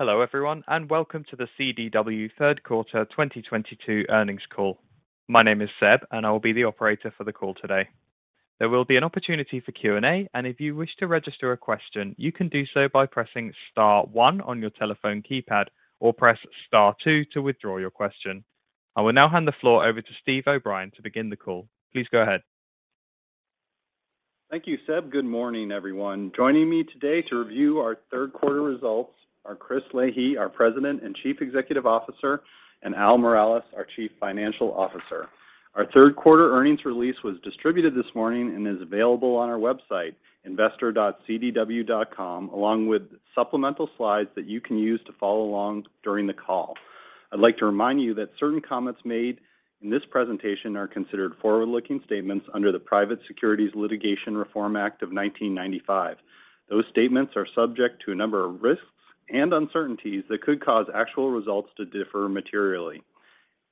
Hello everyone, and welcome to the CDW Q3 2022 earnings call. My name is Seb, and I will be the operator for the call today. There will be an opportunity for Q&A, and if you wish to register a question, you can do so by pressing star one on your telephone keypad, or press star two to withdraw your question. I will now hand the floor over to Steven O'Brien to begin the call. Please go ahead. Thank you, Seb. Good morning, everyone. Joining me today to review our Q3 results are Christine Leahy, our President and Chief Executive Officer, and Al Miralles, our Chief Financial Officer. Our Q3 earnings release was distributed this morning and is available on our website, investor.cdw.com, along with supplemental slides that you can use to follow along during the call. I'd like to remind you that certain comments made in this presentation are considered forward-looking statements under the Private Securities Litigation Reform Act of 1995. Those statements are subject to a number of risks and uncertainties that could cause actual results to differ materially.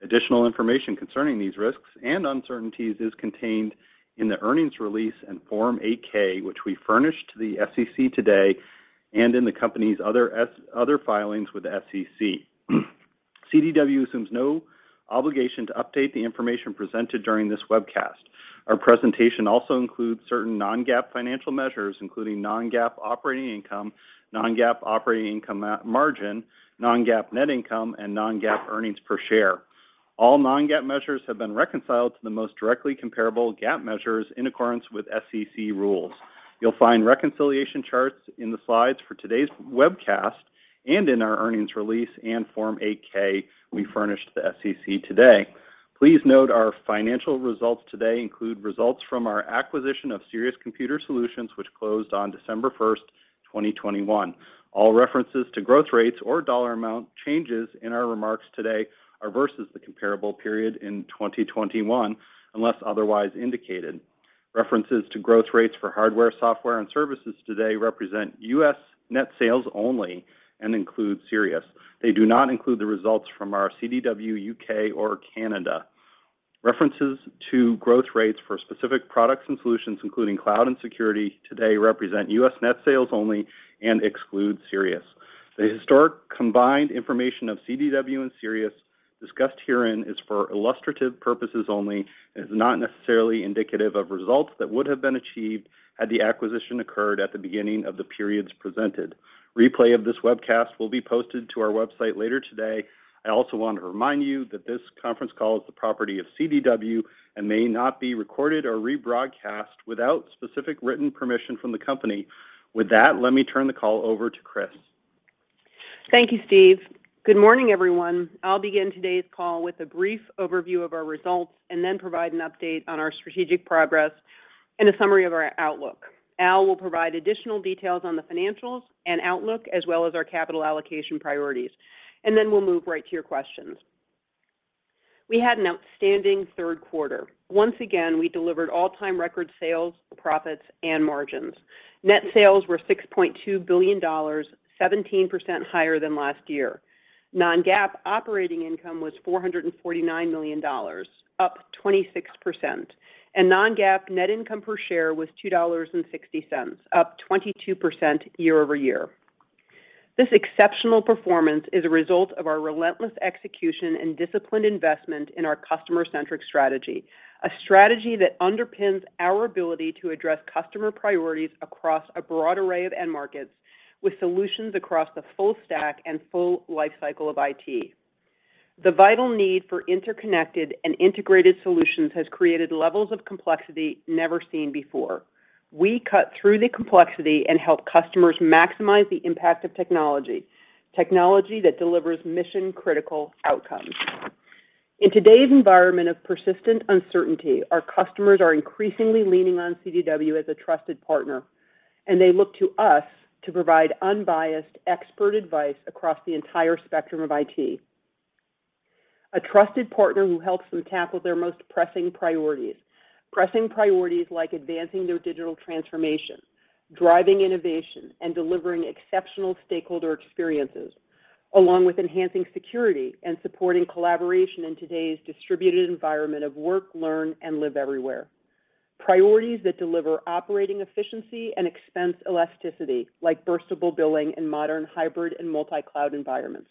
Additional information concerning these risks and uncertainties is contained in the earnings release and Form 8-K, which we furnished to the SEC today, and in the company's other filings with the SEC. CDW assumes no obligation to update the information presented during this webcast. Our presentation also includes certain non-GAAP financial measures, including non-GAAP operating income, non-GAAP operating income margin, non-GAAP net income, and non-GAAP earnings per share. All non-GAAP measures have been reconciled to the most directly comparable GAAP measures in accordance with SEC rules. You'll find reconciliation charts in the slides for today's webcast and in our earnings release and Form 8-K we furnished the SEC today. Please note our financial results today include results from our acquisition of Sirius Computer Solutions, which closed on December 1, 2021. All references to growth rates or dollar amount changes in our remarks today are versus the comparable period in 2021, unless otherwise indicated. References to growth rates for hardware, software, and services today represent U.S. net sales only and include Sirius. They do not include the results from our CDW UK or Canada. References to growth rates for specific products and solutions, including cloud and security, today represent U.S. net sales only and exclude Sirius. The historic combined information of CDW and Sirius discussed herein is for illustrative purposes only and is not necessarily indicative of results that would have been achieved had the acquisition occurred at the beginning of the periods presented. Replay of this webcast will be posted to our website later today. I also want to remind you that this Conference Call is the property of CDW and may not be recorded or rebroadcast without specific written permission from the company. With that, let me turn the call over to Chris. Thank you, Steve. Good morning, everyone. I'll begin today's call with a brief overview of our results and then provide an update on our strategic progress and a summary of our outlook. Al will provide additional details on the financials and outlook as well as our capital allocation priorities, and then we'll move right to your questions. We had an outstanding Q3. Once again, we delivered all-time record sales, profits, and margins. Net sales were $6.2 billion, 17% higher than last year. Non-GAAP operating income was $449 million, up 26%. Non-GAAP net income per share was $2.60, up 22% year-over-year. This exceptional performance is a result of our relentless execution and disciplined investment in our customer-centric strategy, a strategy that underpins our ability to address customer priorities across a broad array of end markets with solutions across the full stack and full lifecycle of IT. The vital need for interconnected and integrated solutions has created levels of complexity never seen before. We cut through the complexity and help customers maximize the impact of technology that delivers mission-critical outcomes. In today's environment of persistent uncertainty, our customers are increasingly leaning on CDW as a trusted partner, and they look to us to provide unbiased expert advice across the entire spectrum of IT. A trusted partner who helps them tackle their most pressing priorities. Pressing priorities like advancing their digital transformation, driving innovation, and delivering exceptional stakeholder experiences, along with enhancing security and supporting collaboration in today's distributed environment of work, learn, and live everywhere. Priorities that deliver operating efficiency and expense elasticity, like burstable billing in modern hybrid and multi-cloud environments,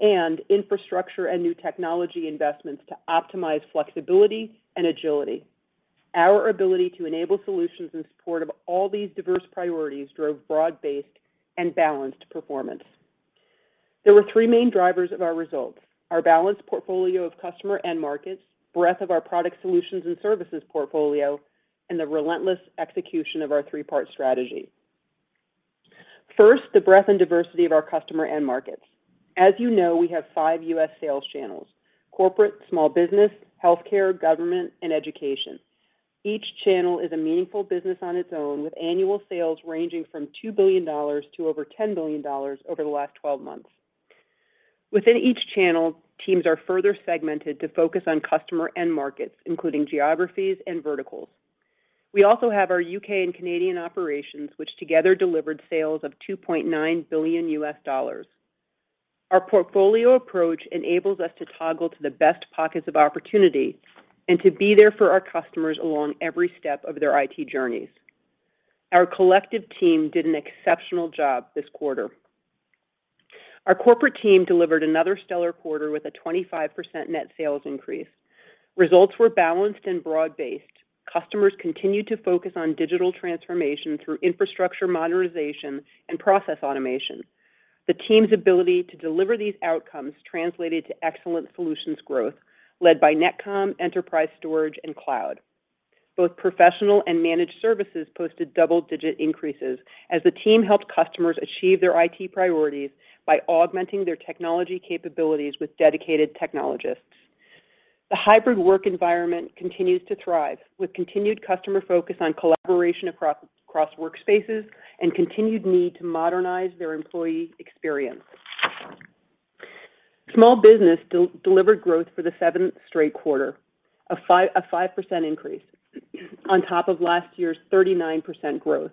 and infrastructure and new technology investments to optimize flexibility and agility. Our ability to enable solutions in support of all these diverse priorities drove broad-based and balanced performance. There were three main drivers of our results, our balanced portfolio of customer end markets, breadth of our product solutions and services portfolio, and the relentless execution of our three-part strategy. First, the breadth and diversity of our customer end markets. As you know, we have five U.S. sales channels, corporate, small business, healthcare, government, and education. Each channel is a meaningful business on its own, with annual sales ranging from $2 billion to over $10 billion over the last 12 months. Within each channel, teams are further segmented to focus on customer end markets, including geographies and verticals. We also have our U.K. and Canadian operations, which together delivered sales of $2.9 billion. Our portfolio approach enables us to toggle to the best pockets of opportunity and to be there for our customers along every step of their IT journeys. Our collective team did an exceptional job this quarter. Our corporate team delivered another stellar quarter with a 25% net sales increase. Results were balanced and broad-based. Customers continued to focus on digital transformation through infrastructure modernization and process automation. The team's ability to deliver these outcomes translated to excellent solutions growth led by NetCom, enterprise storage, and cloud. Both professional and managed services posted double-digit increases as the team helped customers achieve their IT priorities by augmenting their technology capabilities with dedicated technologists. The hybrid work environment continues to thrive with continued customer focus on collaboration across workspaces and continued need to modernize their employee experience. Small business delivered growth for the seventh straight quarter, a 5% increase on top of last year's 39% growth.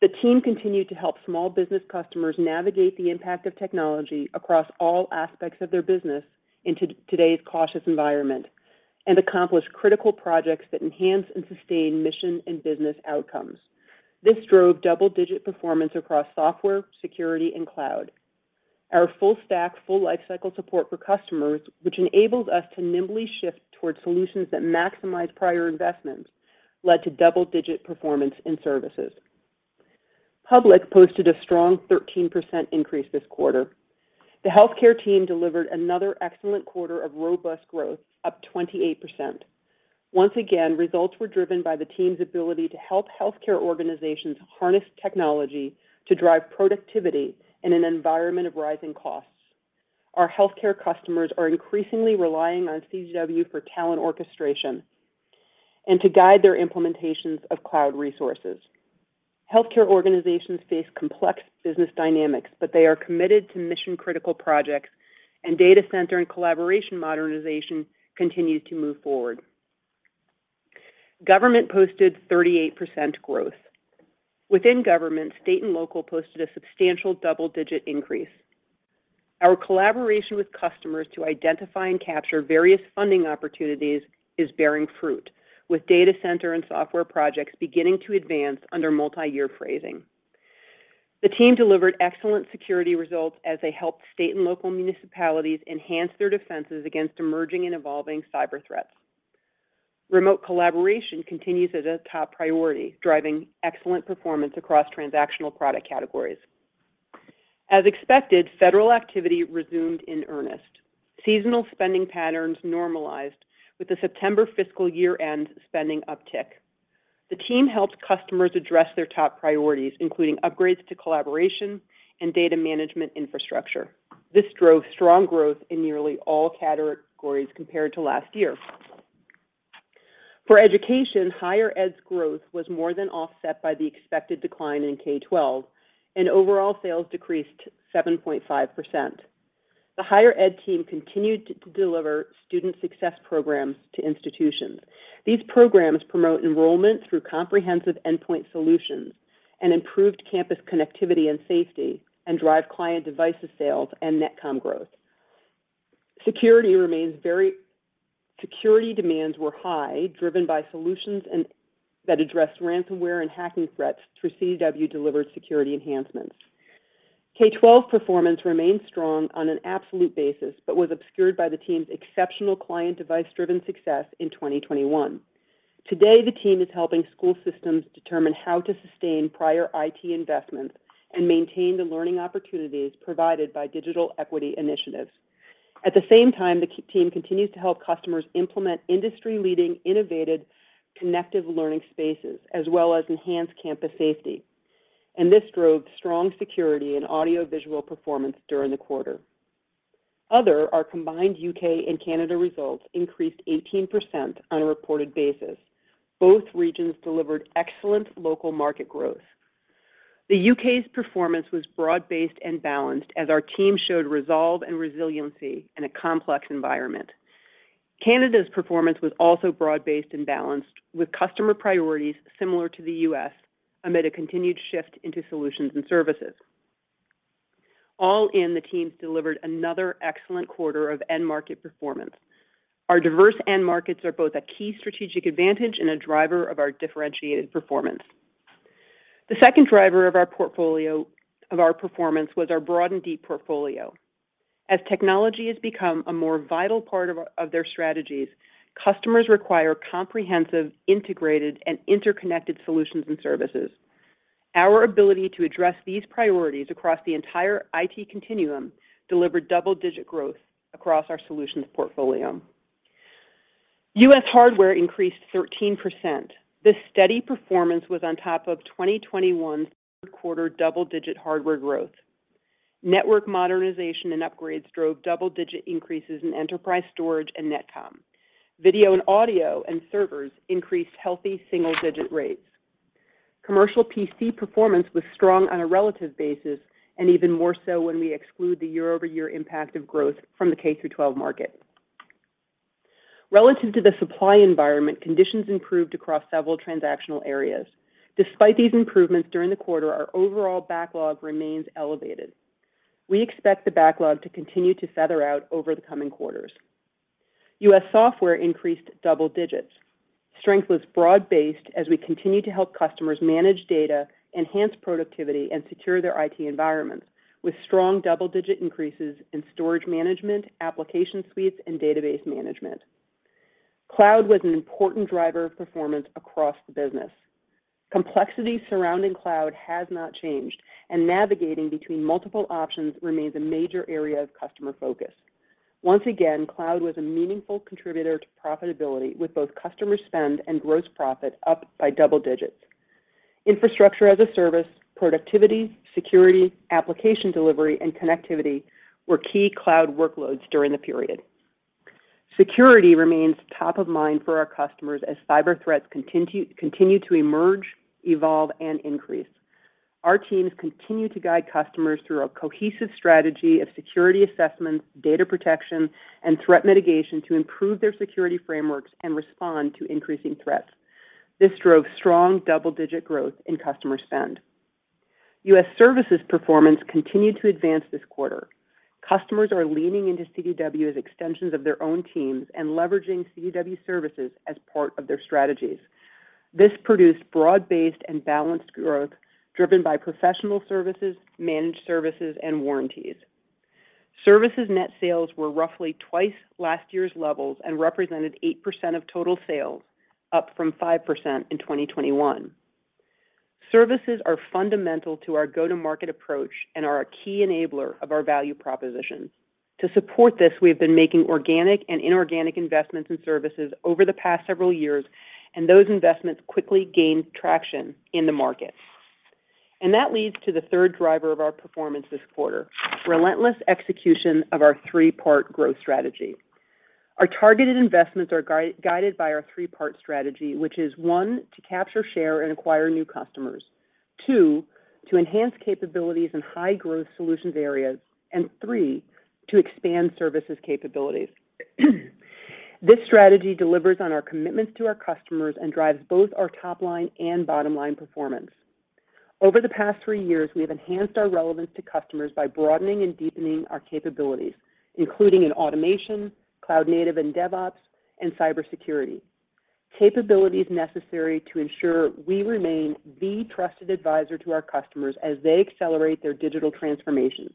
The team continued to help small business customers navigate the impact of technology across all aspects of their business into today's cautious environment and accomplish critical projects that enhance and sustain mission and business outcomes. This drove double-digit performance across software, security, and cloud. Our full stack, full lifecycle support for customers, which enables us to nimbly shift towards solutions that maximize prior investments, led to double-digit performance in services. Public posted a strong 13% increase this quarter. The healthcare team delivered another excellent quarter of robust growth, up 28%. Once again, results were driven by the team's ability to help healthcare organizations harness technology to drive productivity in an environment of rising costs. Our healthcare customers are increasingly relying on CDW for talent orchestration and to guide their implementations of cloud resources. Healthcare organizations face complex business dynamics, but they are committed to mission-critical projects, and data center and collaboration modernization continues to move forward. Government posted 38% growth. Within government, state and local posted a substantial double-digit increase. Our collaboration with customers to identify and capture various funding opportunities is bearing fruit, with data center and software projects beginning to advance under multi-year phasing. The team delivered excellent security results as they helped state and local municipalities enhance their defenses against emerging and evolving cyber threats. Remote collaboration continues as a top priority, driving excellent performance across transactional product categories. As expected, federal activity resumed in earnest. Seasonal spending patterns normalized with the September fiscal year-end spending uptick. The team helped customers address their top priorities, including upgrades to collaboration and data management infrastructure. This drove strong growth in nearly all categories compared to last year. For education, higher-ed's growth was more than offset by the expected decline in K12, and overall sales decreased 7.5%. The higher-ed team continued to deliver student success programs to institutions. These programs promote enrollment through comprehensive endpoint solutions and improved campus connectivity and safety and drive client devices sales and NetCom growth. Security demands were high, driven by solutions that addressed ransomware and hacking threats through CDW-delivered security enhancements. K-12 performance remained strong on an absolute basis but was obscured by the team's exceptional client device-driven success in 2021. Today, the team is helping school systems determine how to sustain prior IT investments and maintain the learning opportunities provided by digital equity initiatives. At the same time, the K-12 team continues to help customers implement industry-leading, innovative, connective learning spaces as well as enhance campus safety, and this drove strong security and audio-visual performance during the quarter. Other areas combined UK and Canada results increased 18% on a reported basis. Both regions delivered excellent local market growth. The UK's performance was broad-based and balanced as our team showed resolve and resiliency in a complex environment. Canada's performance was also broad-based and balanced with customer priorities similar to the U.S. amid a continued shift into solutions and services. All in, the teams delivered another excellent quarter of end market performance. Our diverse end markets are both a key strategic advantage and a driver of our differentiated performance. The second driver of our performance was our broad and deep portfolio. As technology has become a more vital part of their strategies, customers require comprehensive, integrated, and interconnected solutions and services. Our ability to address these priorities across the entire IT continuum delivered double-digit growth across our solutions portfolio. U.S. hardware increased 13%. This steady performance was on top of 2021's Q3 double-digit hardware growth. Network modernization and upgrades drove double-digit increases in enterprise storage and NetCom. Video, audio, and servers increased healthy single-digit rates. Commercial PC performance was strong on a relative basis and even more so when we exclude the year-over-year impact of growth from the K-12 market. Relative to the supply environment, conditions improved across several transactional areas. Despite these improvements during the quarter, our overall backlog remains elevated. We expect the backlog to continue to feather out over the coming quarters. U.S. software increased double digits. Strength was broad-based as we continued to help customers manage data, enhance productivity, and secure their IT environments, with strong double-digit increases in storage management, application suites, and database management. Cloud was an important driver of performance across the business. Complexity surrounding cloud has not changed, and navigating between multiple options remains a major area of customer focus. Once again, cloud was a meaningful contributor to profitability, with both customer spend and gross profit up by double digits. Infrastructure as a service, productivity, security, application delivery, and connectivity were key cloud workloads during the period. Security remains top of mind for our customers as cyber threats continue to emerge, evolve, and increase. Our teams continue to guide customers through a cohesive strategy of security assessments, data protection, and threat mitigation to improve their security frameworks and respond to increasing threats. This drove strong double-digit growth in customer spend. U.S. services performance continued to advance this quarter. Customers are leaning into CDW as extensions of their own teams and leveraging CDW services as part of their strategies. This produced broad-based and balanced growth driven by professional services, managed services, and warranties. Services net sales were roughly twice last year's levels and represented 8% of total sales, up from 5% in 2021. Services are fundamental to our go-to-market approach and are a key enabler of our value proposition. To support this, we have been making organic and inorganic investments in services over the past several years, and those investments quickly gained traction in the market. That leads to the third driver of our performance this quarter, relentless execution of our three-part growth strategy. Our targeted investments are guided by our three-part strategy, which is, one, to capture, share, and acquire new customers. Two, to enhance capabilities in high-growth solutions areas. Three, to expand services capabilities. This strategy delivers on our commitments to our customers and drives both our top-line and bottom-line performance. Over the past three years, we have enhanced our relevance to customers by broadening and deepening our capabilities, including in automation, cloud native and DevOps, and cybersecurity. Capabilities necessary to ensure we remain the trusted advisor to our customers as they accelerate their digital transformations.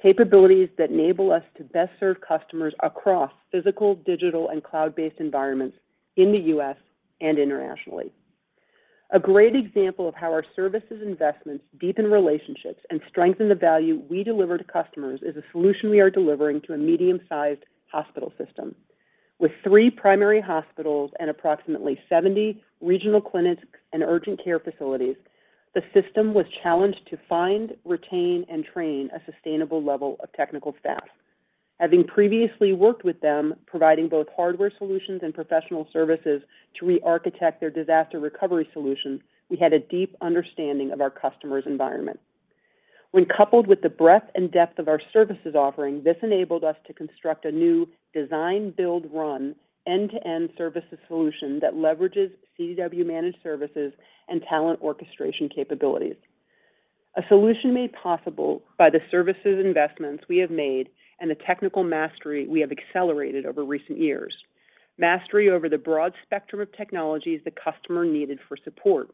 Capabilities that enable us to best serve customers across physical, digital, and cloud-based environments in the U.S. and internationally. A great example of how our services investments deepen relationships and strengthen the value we deliver to customers is a solution we are delivering to a medium-sized hospital system. With three primary hospitals and approximately 70 regional clinics and urgent care facilities, the system was challenged to find, retain, and train a sustainable level of technical staff. Having previously worked with them, providing both hardware solutions and professional services to re-architect their disaster recovery solutions, we had a deep understanding of our customer's environment. When coupled with the breadth and depth of our services offering, this enabled us to construct a new design, build, run, end-to-end services solution that leverages CDW managed services and talent orchestration capabilities. A solution made possible by the services investments we have made and the technical mastery we have accelerated over recent years. Mastery over the broad spectrum of technologies the customer needed for support,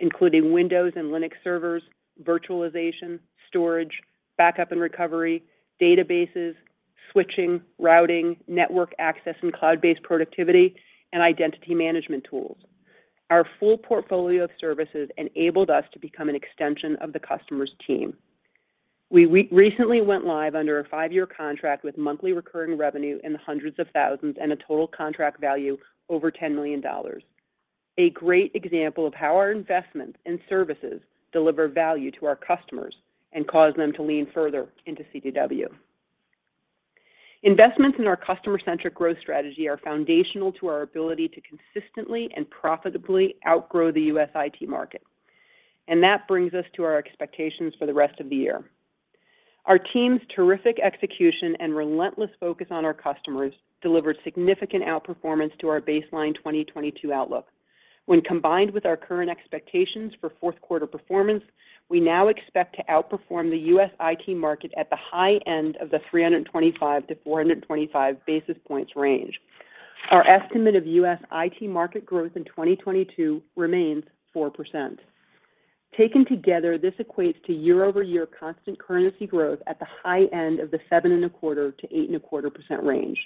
including Windows and Linux servers, virtualization, storage, backup and recovery, databases, switching, routing, network access and cloud-based productivity, and identity management tools. Our full portfolio of services enabled us to become an extension of the customer's team. We recently went live under a five-year contract with monthly recurring revenue in the hundreds of thousands and a total contract value over $10 million. A great example of how our investments in services deliver value to our customers and cause them to lean further into CDW. Investments in our customer-centric growth strategy are foundational to our ability to consistently and profitably outgrow the U.S. IT market. That brings us to our expectations for the rest of the year. Our team's terrific execution and relentless focus on our customers delivered significant outperformance to our baseline 2022 outlook. When combined with our current expectations for Q4 performance, we now expect to outperform the U.S. IT market at the high-end of the 325-425 basis points range. Our estimate of U.S. IT market growth in 2022 remains 4%. Taken together, this equates to year-over-year constant currency growth at the high-end of the 7.25%-8.25% range.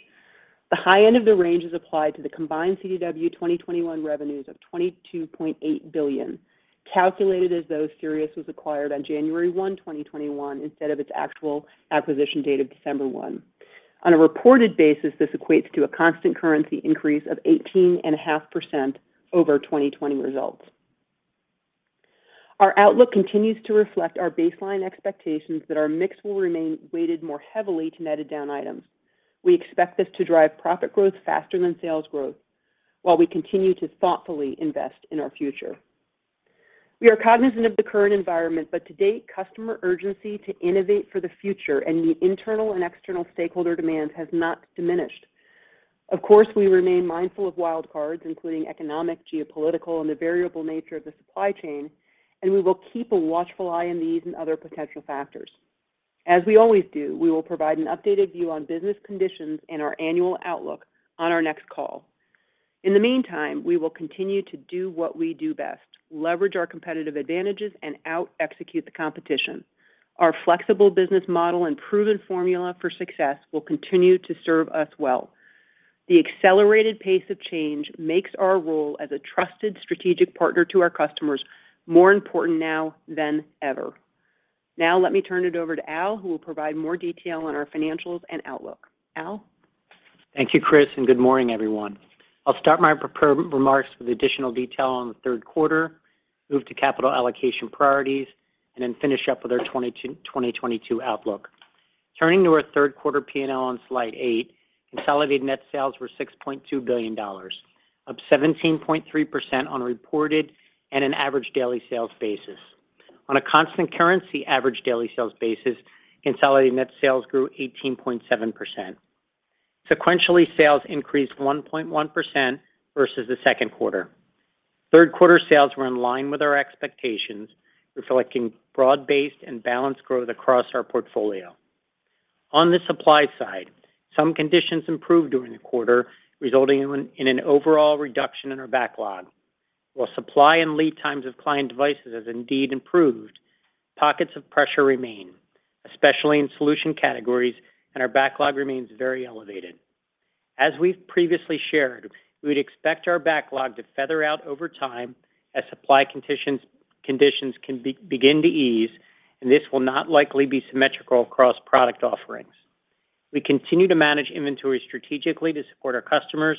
The high-end of the range is applied to the combined CDW 2021 revenues of $22.8 billion, calculated as though Sirius was acquired on January 1, 2021, instead of its actual acquisition date of December 1. On a reported basis, this equates to a constant currency increase of 18.5% over 2020 results. Our outlook continues to reflect our baseline expectations that our mix will remain weighted more heavily to netted-down items. We expect this to drive profit growth faster than sales growth while we continue to thoughtfully invest in our future. We are cognizant of the current environment, but to date, customer urgency to innovate for the future and meet internal and external stakeholder demands has not diminished. Of course, we remain mindful of wild cards, including economic, geopolitical, and the variable nature of the supply chain, and we will keep a watchful eye on these and other potential factors. As we always do, we will provide an updated view on business conditions and our annual outlook on our next call. In the meantime, we will continue to do what we do best, leverage our competitive advantages, and out-execute the competition. Our flexible business model and proven formula for success will continue to serve us well. The accelerated pace of change makes our role as a trusted strategic partner to our customers more important now than ever. Now let me turn it over to Al, who will provide more detail on our financials and outlook. Al. Thank you, Chris, and good morning, everyone. I'll start my prepared remarks with additional detail on the Q3, move to capital allocation priorities, and then finish up with our 2022 outlook. Turning to our Q3 P&L on slide 8, consolidated net sales were $6.2 billion, up 17.3% on a reported and an average daily sales basis. On a constant currency average daily sales basis, consolidated net sales grew 18.7%. Sequentially, sales increased 1.1% versus the Q2. Q3 sales were in line with our expectations, reflecting broad-based and balanced growth across our portfolio. On the supply side, some conditions improved during the quarter, resulting in an overall reduction in our backlog. While supply and lead times of client devices has indeed improved, pockets of pressure remain, especially in solution categories, and our backlog remains very elevated. As we've previously shared, we'd expect our backlog to feather out over time as supply conditions begin to ease, and this will not likely be symmetrical across product offerings. We continue to manage inventory strategically to support our customers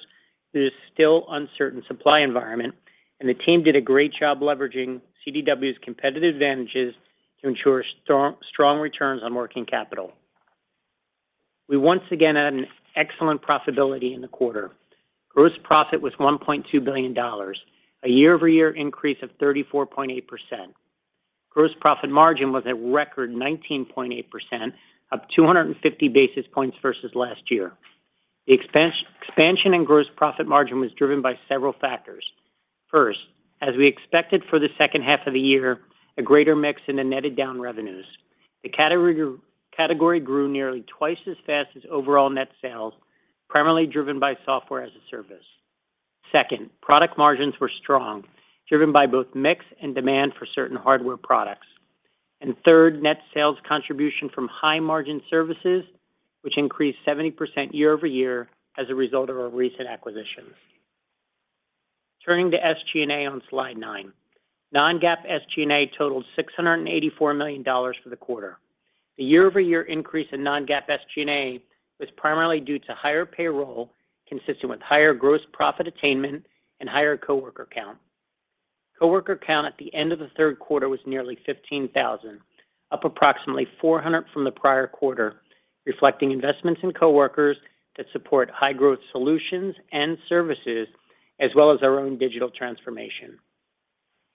through this still uncertain supply environment, and the team did a great job leveraging CDW's competitive advantages to ensure strong returns on working capital. We once again had an excellent profitability in the quarter. Gross profit was $1.2 billion, a year-over-year increase of 34.8%. Gross profit margin was a record 19.8%, up 250 basis points versus last year. The expansion in gross profit margin was driven by several factors. First, as we expected for the second half of the year, a greater mix in the netted-down revenues. The category grew nearly twice as fast as overall net sales, primarily driven by software as a service. Second, product margins were strong, driven by both mix and demand for certain hardware products. Third, net sales contribution from high-margin services, which increased 70% year-over-year as a result of our recent acquisitions. Turning to SG&A on slide nine. Non-GAAP SG&A totaled $684 million for the quarter. The year-over-year increase in non-GAAP SG&A was primarily due to higher payroll, consistent with higher gross profit attainment and higher coworker count. Coworker count at the end of the Q3 was nearly 15,000, up approximately 400 from the prior quarter, reflecting investments in coworkers that support high-growth solutions and services, as well as our own digital transformation.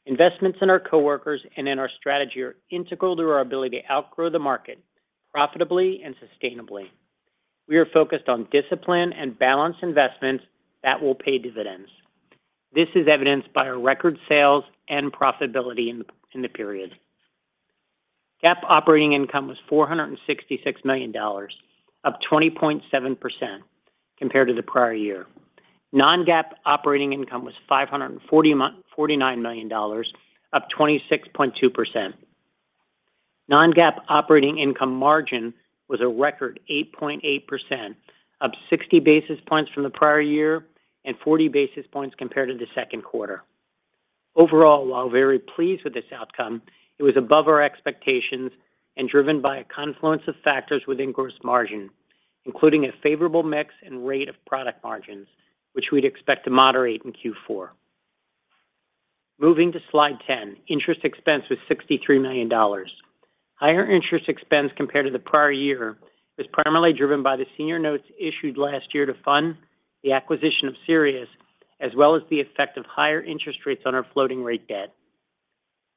Investments in our coworkers and in our strategy are integral to our ability to outgrow the market profitably and sustainably. We are focused on discipline and balanced investments that will pay dividends. This is evidenced by our record sales and profitability in the period. GAAP operating income was $466 million, up 20.7% compared to the prior year. Non-GAAP operating income was $549 million, up 26.2%. Non-GAAP operating income margin was a record 8.8%, up 60 basis points from the prior year and 40 basis points compared to the Q2. Overall, while very pleased with this outcome, it was above our expectations and driven by a confluence of factors within gross margin, including a favorable mix and rate of product margins, which we'd expect to moderate in Q4. Moving to slide 10, interest expense was $63 million. Higher interest expense compared to the prior year was primarily driven by the senior notes issued last year to fund the acquisition of Sirius, as well as the effect of higher interest rates on our floating rate debt.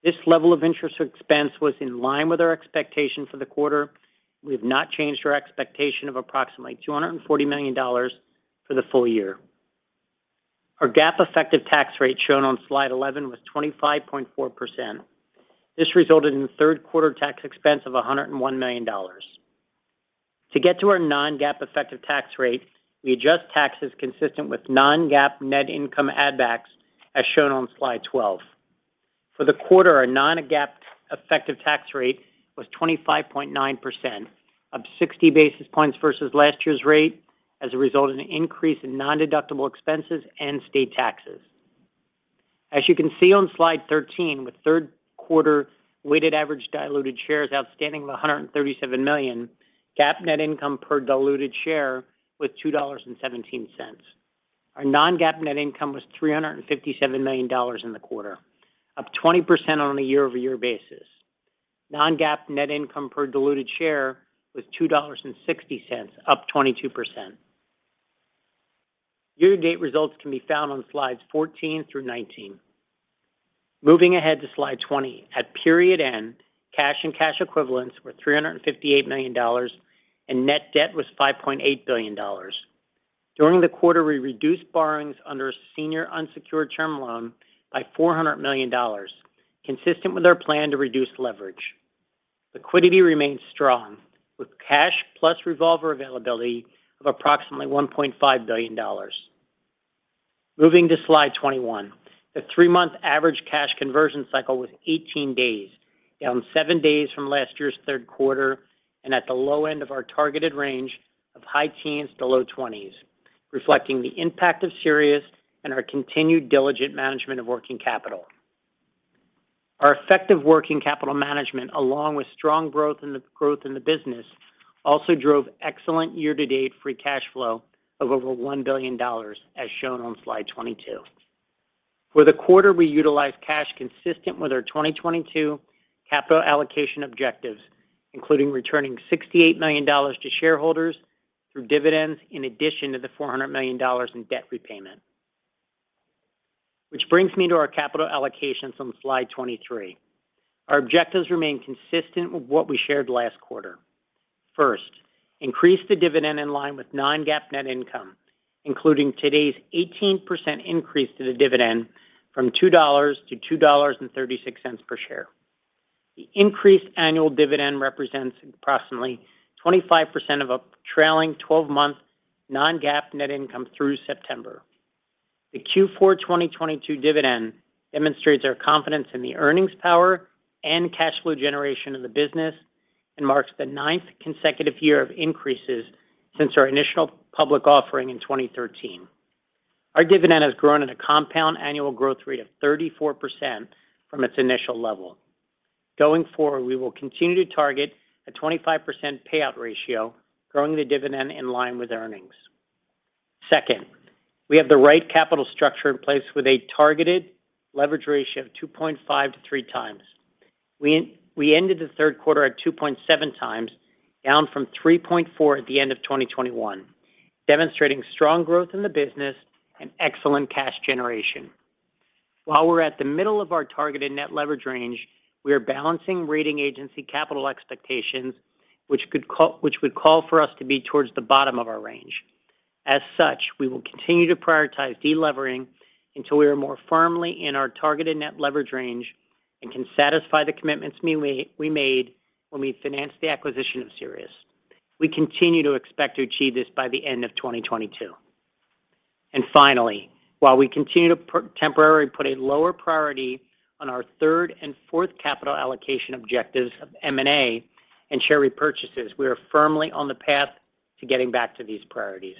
This level of interest expense was in line with our expectations for the quarter. We've not changed our expectation of approximately $240 million for the full year. Our GAAP effective tax rate shown on slide 11 was 25.4%. This resulted in Q3 tax expense of $101 million. To get to our non-GAAP effective tax rate, we adjust taxes consistent with non-GAAP net income add backs, as shown on slide 12. For the quarter, our non-GAAP effective tax rate was 25.9%, up 60 basis points versus last year's rate as a result of an increase in nondeductible expenses and state taxes. As you can see on slide 13, with Q3 weighted average diluted shares outstanding of 137 million, GAAP net income per diluted share was $2.17. Our non-GAAP net income was $357 million in the quarter, up 20% on a year-over-year basis. Non-GAAP net income per diluted share was $2.60, up 22%. Year to date results can be found on slides 14 through 19. Moving ahead to slide 20, at period end, cash and cash equivalents were $358 million, and net debt was $5.8 billion. During the quarter, we reduced borrowings under senior unsecured term loan by $400 million, consistent with our plan to reduce leverage. Liquidity remains strong, with cash plus revolver availability of approximately $1.5 billion. Moving to slide 21. The three-month average cash conversion cycle was 18 days, down 7 days from last year's Q3, and at the low end of our targeted range of high teens to low twenties, reflecting the impact of Sirius and our continued diligent management of working capital. Our effective working capital management, along with strong growth in the business, also drove excellent year-to-date free cash flow of over $1 billion, as shown on slide 22. For the quarter, we utilized cash consistent with our 2022 capital allocation objectives, including returning $68 million to shareholders through dividends in addition to the $400 million in debt repayment. Which brings me to our capital allocations on slide 23. Our objectives remain consistent with what we shared last quarter. First, increase the dividend in line with non-GAAP net income, including today's 18% increase to the dividend from $2 to $2.36 per share. The increased annual dividend represents approximately 25% of a trailing twelve-month non-GAAP net income through September. The Q4 2022 dividend demonstrates our confidence in the earnings power and cash flow generation of the business and marks the ninth consecutive year of increases since our initial public offering in 2013. Our dividend has grown at a compound annual growth rate of 34% from its initial level. Going forward, we will continue to target a 25% payout ratio, growing the dividend in line with earnings. Second, we have the right capital structure in place with a targeted leverage ratio of 2.5x to 3x. We ended the Q3 at 2.7x, down from 3.4x at the end of 2021, demonstrating strong growth in the business and excellent cash generation. While we're at the middle of our targeted net leverage range, we are balancing rating agency capital expectations, which would call for us to be towards the bottom of our range. As such, we will continue to prioritize delevering until we are more firmly in our targeted net leverage range and can satisfy the commitments we made when we financed the acquisition of Sirius. We continue to expect to achieve this by the end of 2022. Finally, while we continue to temporarily put a lower priority on our third and fourth capital allocation objectives of M&A and share repurchases, we are firmly on the path to getting back to these priorities.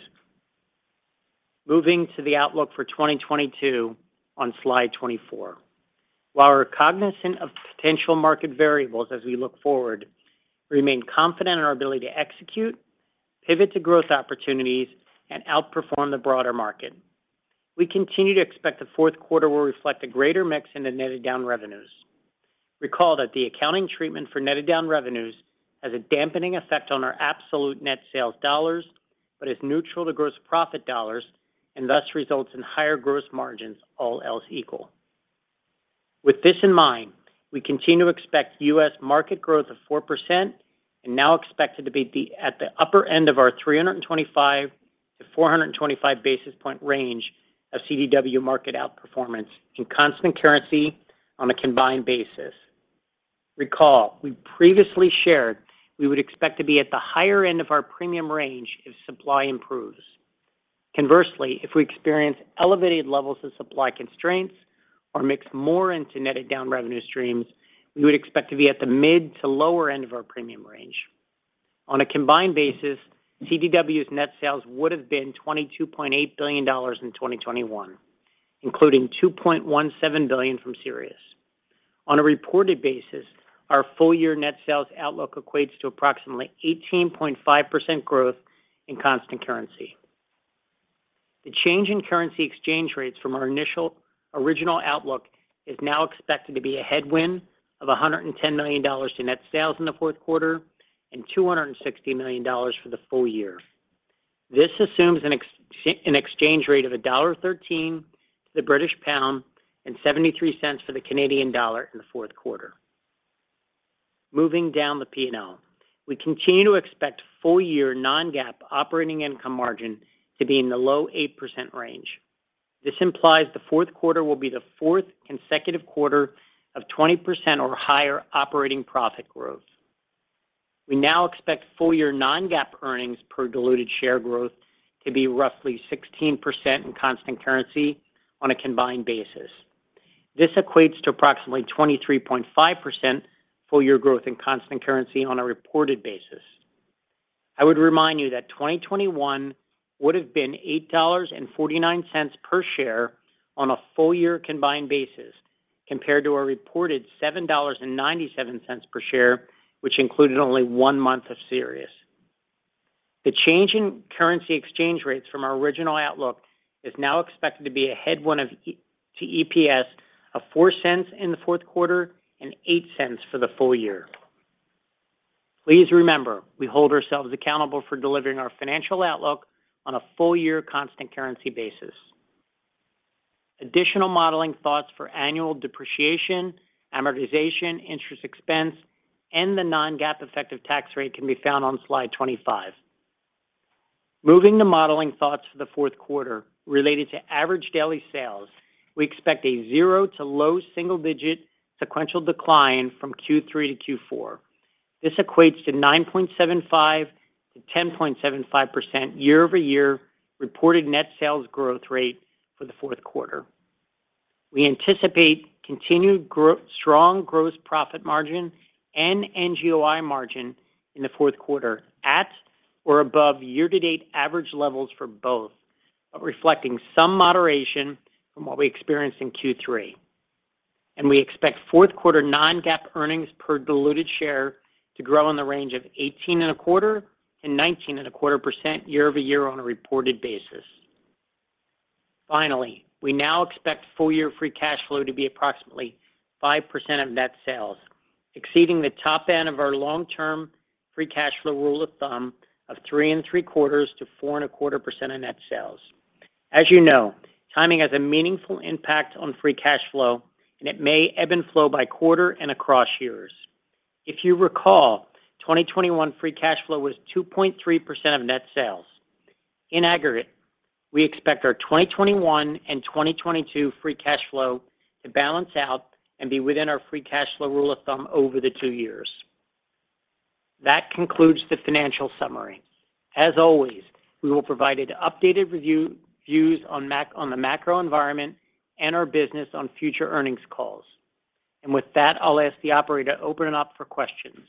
Moving to the outlook for 2022 on slide 24. While we're cognizant of potential market variables as we look forward, we remain confident in our ability to execute, pivot to growth opportunities, and outperform the broader market. We continue to expect the Q4 will reflect a greater mix in the netted-down revenues. Recall that the accounting treatment for netted-down revenues has a dampening effect on our absolute net sales dollars, but is neutral to gross profit dollars, and thus results in higher gross margins, all else equal. With this in mind, we continue to expect U.S. market growth of 4%, and now expect it to be at the upper end of our 325- to 425-basis point range of CDW market outperformance in constant currency on a combined basis. Recall, we previously shared we would expect to be at the higher end of our premium range if supply improves. Conversely, if we experience elevated levels of supply constraints or mix more into netted-down revenue streams, we would expect to be at the mid to lower end of our premium range. On a combined basis, CDW's net sales would have been $22.8 billion in 2021, including $2.17 billion from Sirius. On a reported basis, our full-year net sales outlook equates to approximately 18.5% growth in constant currency. The change in currency exchange rates from our initial original outlook is now expected to be a headwind of $110 million in net sales in the Q4 and $260 million for the full year. This assumes an exchange rate of a dollar thirteen to the British pound and seventy-three cents for the Canadian dollar in the Q4. Moving down the P&L. We continue to expect full-year non-GAAP operating income margin to be in the low 8% range. This implies the Q4 will be the fourth consecutive quarter of 20% or higher operating profit growth. We now expect full-year non-GAAP earnings per diluted share growth to be roughly 16% in constant currency on a combined basis. This equates to approximately 23.5% full-year growth in constant currency on a reported basis. I would remind you that 2021 would have been $8.49 per share on a full-year combined basis, compared to a reported $7.97 per share, which included only one month of Sirius. The change in currency exchange rates from our original outlook is now expected to be a headwind to EPS of $0.04 in the Q4 and $0.08 for the full year. Please remember, we hold ourselves accountable for delivering our financial outlook on a full-year constant currency basis. Additional modeling thoughts for annual depreciation, amortization, interest expense, and the non-GAAP effective tax rate can be found on slide 25. Moving to modeling thoughts for the Q4 related to average daily sales, we expect a zero to low-single-digit sequential decline from Q3 to Q4. This equates to 9.75%-10.75% year-over-year reported net sales growth rate for the Q4. We anticipate strong gross profit margin and NGOI margin in the Q4 at or above year-to-date average levels for both, but reflecting some moderation from what we experienced in Q3. We expect Q4 non-GAAP earnings per diluted share to grow in the range of 18.25% and 19.25% year-over-year on a reported basis. Finally, we now expect full-year free cash flow to be approximately 5% of net sales, exceeding the top end of our long-term free cash flow rule of thumb of 3.75%-4.25% of net sales. As you know, timing has a meaningful impact on free cash flow, and it may ebb and flow by quarter and across years. If you recall, 2021 free cash flow was 2.3% of net sales. In aggregate, we expect our 2021 and 2022 free cash flow to balance out and be within our free cash flow rule of thumb over the two years. That concludes the financial summary. As always, we will provide updated reviews on the macro environment and our business on future earnings calls. With that, I'll ask the operator to open it up for questions.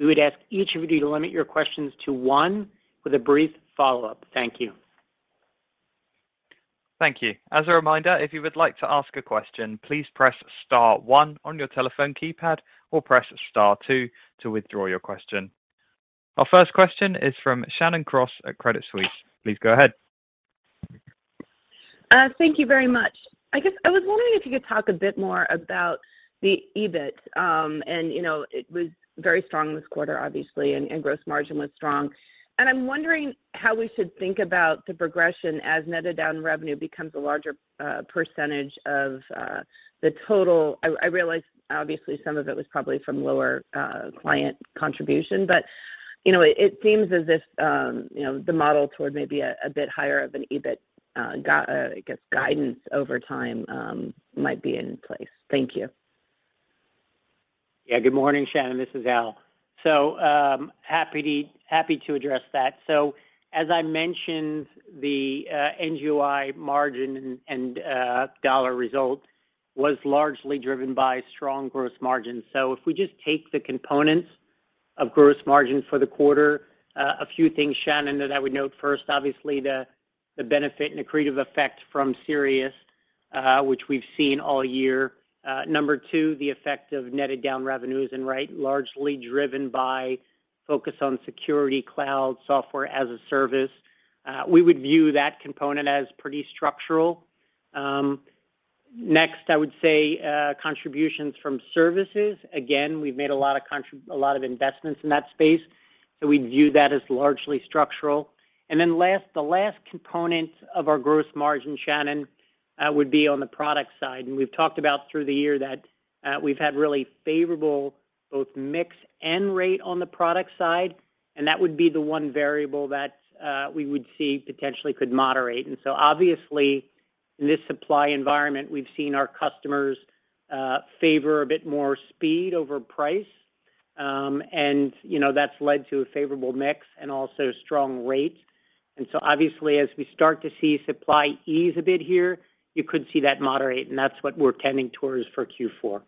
We would ask each of you to limit your questions to one with a brief follow-up. Thank you. Thank you. As a reminder, if you would like to ask a question, please press star one on your telephone keypad or press star two to withdraw your question. Our first question is from Shannon Cross at Credit Suisse. Please go ahead. Thank you very much. I guess I was wondering if you could talk a bit more about the EBIT. You know, it was very strong this quarter, obviously, and gross margin was strong. I'm wondering how we should think about the progression as netted-down revenue becomes a larger percentage of the total. I realize obviously some of it was probably from lower client contribution, but you know, it seems as if you know, the model toward maybe a bit higher of an EBIT, I guess, guidance over time might be in place. Thank you. Yeah. Good morning, Shannon, this is Al. Happy to address that. As I mentioned, the NGOI margin and dollar result was largely driven by strong gross margins. If we just take the components of gross margins for the quarter, a few things, Shannon, that I would note first, obviously the benefit and accretive effect from Sirius, which we've seen all year. Number two, the effect of netted-down revenues and rate largely driven by focus on security cloud software as a service. We would view that component as pretty structural. Next, I would say contributions from services. Again, we've made a lot of investments in that space, so we view that as largely structural. Then last, the last component of our gross margin, Shannon, would be on the product side. We've talked about through the year that, we've had really favorable both mix and rate on the product side, and that would be the one variable that, we would see potentially could moderate. Obviously in this supply environment, we've seen our customers, favor a bit more speed over price. And you know, that's led to a favorable mix and also strong rate. Obviously as we start to see supply ease a bit here, you could see that moderate, and that's what we're tending towards for Q4.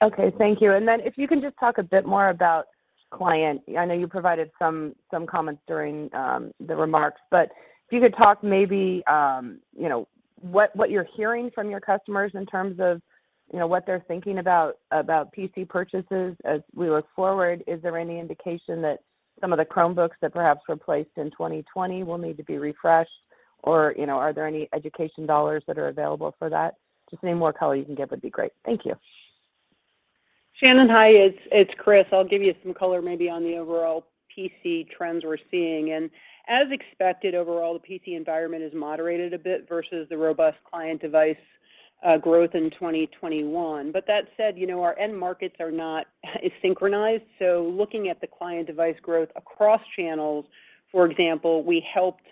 Okay. Thank you. If you can just talk a bit more about clients. I know you provided some comments during the remarks, but if you could talk maybe, you know, what you're hearing from your customers in terms of, you know, what they're thinking about about PC purchases as we look forward. Is there any indication that some of the Chromebooks that perhaps were placed in 2020 will need to be refreshed or, you know, are there any education dollars that are available for that? Just any more color you can give would be great. Thank you. Shannon. Hi, it's Chris. I'll give you some color maybe on the overall PC trends we're seeing. As expected, overall, the PC environment has moderated a bit versus the robust client device growth in 2021. That said, you know, our end markets are not as synchronized. Looking at the client device growth across channels, for example, we helped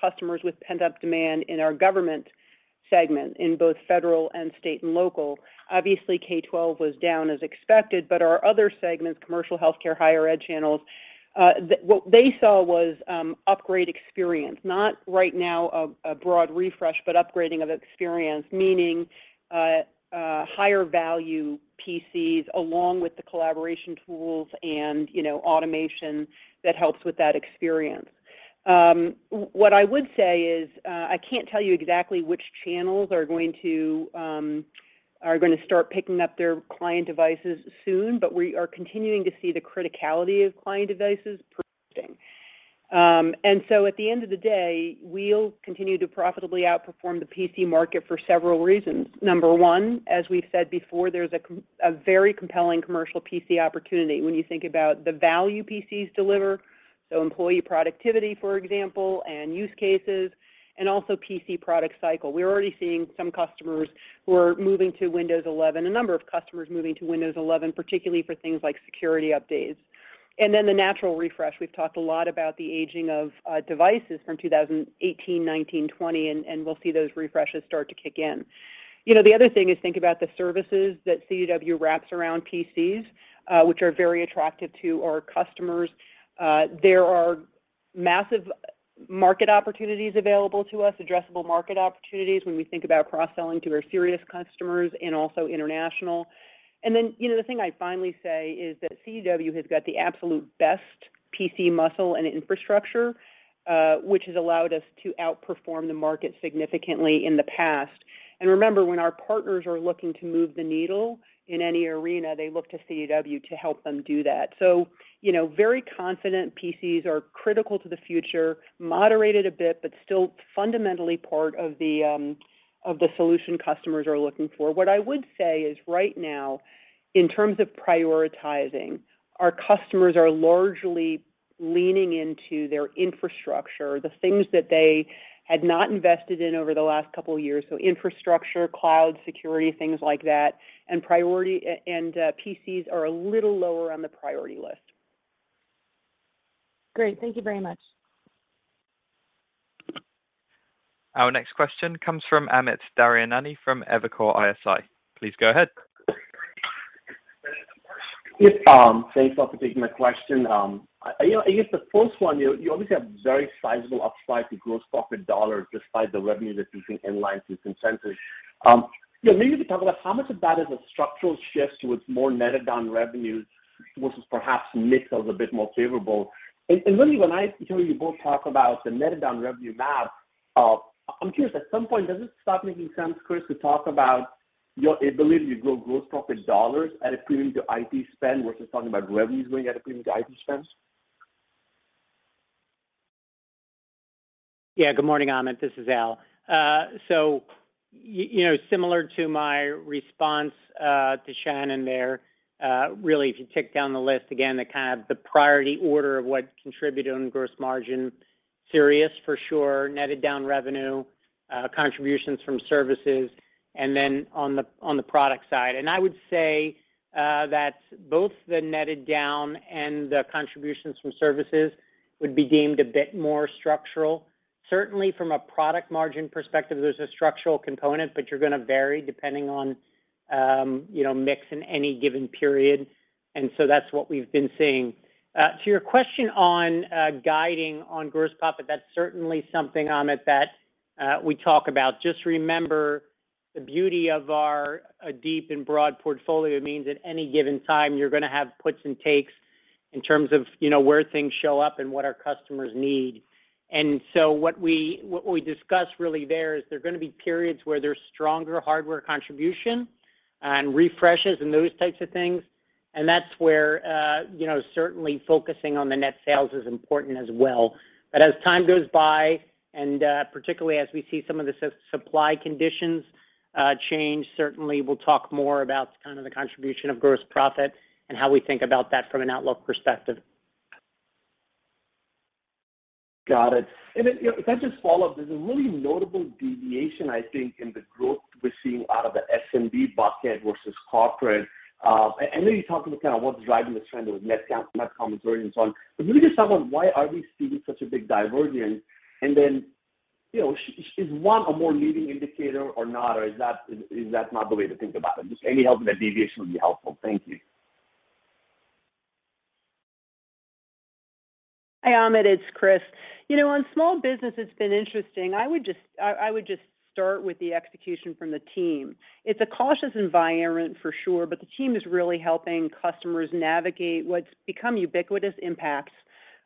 customers with pent-up demand in our government segment in both federal and state and local. Obviously K-12 was down as expected. Our other segments, commercial, healthcare, higher-ed channels, what they saw was upgrade experience, not right now a broad refresh, but upgrading of experience, meaning higher value PCs along with the collaboration tools and, you know, automation that helps with that experience. What I would say is, I can't tell you exactly which channels are gonna start picking up their client devices soon, but we are continuing to see the criticality of client devices persisting. At the end of the day, we'll continue to profitably outperform the PC market for several reasons. Number one, as we've said before, there's a very compelling commercial PC opportunity when you think about the value PCs deliver, so employee productivity, for example, and use cases, and also PC product cycle. We're already seeing some customers who are moving to Windows 11, a number of customers moving to Windows 11, particularly for things like security updates. The natural refresh. We've talked a lot about the aging of devices from 2018, 2019, 2020, and we'll see those refreshes start to kick in. You know, the other thing is think about the services that CDW wraps around PCs, which are very attractive to our customers. There are massive market opportunities available to us, addressable market opportunities when we think about cross-selling to our Sirius customers and also international. Then, you know, the thing I'd finally say is that CDW has got the absolute best PC muscle and infrastructure, which has allowed us to outperform the market significantly in the past. Remember, when our partners are looking to move the needle in any arena, they look to CDW to help them do that. You know, very confident PCs are critical to the future, moderated a bit, but still fundamentally part of the solution customers are looking for. What I would say is right now, in terms of prioritizing, our customers are largely leaning into their infrastructure, the things that they had not invested in over the last couple years. Infrastructure, cloud, security, things like that, and PCs are a little lower on the priority list. Great. Thank you very much. Our next question comes from Amit Daryanani from Evercore ISI. Please go ahead. Yes, thanks for taking my question. I guess the first one, you obviously have very sizable upside to gross profit dollars despite the revenue that you think in line to consensus. You know, maybe to talk about how much of that is a structural shift towards more netted-down revenues versus perhaps mix of a bit more favorable. Really when I hear you both talk about the netted-down revenue map, I'm curious, at some point, does it start making sense, Chris, to talk about your ability to grow gross profit dollars at a premium to IT spend versus talking about revenues growing at a premium to IT spends? Yeah. Good morning, Amit. This is Al. You know, similar to my response to Shannon there, really, if you tick down the list again, the kind of priority order of what contributed on gross margin, Sirius for sure, netted-down revenue, contributions from services, and then on the product side. I would say that both the netted-down and the contributions from services would be deemed a bit more structural. Certainly, from a product margin perspective, there's a structural component, but you're gonna vary depending on you know, mix in any given period. That's what we've been seeing. To your question on guiding on gross profit, that's certainly something, Amit, that we talk about. Just remember, the beauty of our deep and broad portfolio means at any given time, you're gonna have puts and takes in terms of, you know, where things show up and what our customers need. What we discuss really there is there are gonna be periods where there's stronger hardware contribution and refreshes and those types of things, and that's where, you know, certainly focusing on the net sales is important as well. As time goes by, and particularly as we see some of the supply conditions change, certainly we'll talk more about kind of the contribution of gross profit and how we think about that from an outlook perspective. Got it. You know, if I just follow up, there's a really notable deviation, I think, in the growth we're seeing out of the SMB bucket versus corporate. You talked about kind of what's driving this trend with net count, net commentary and so on. Really just talk about why are we seeing such a big divergence? You know, is one a more leading indicator or not, or is that not the way to think about it? Just any help in that deviation would be helpful. Thank you. Hey, Amit. It's Chris. You know, on small business, it's been interesting. I would just start with the execution from the team. It's a cautious environment for sure, but the team is really helping customers navigate what's become ubiquitous impacts